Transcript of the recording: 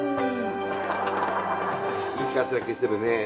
いい活躍してるね。